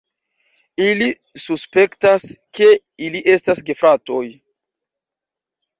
Ili suspektas, ke ili estas gefratoj.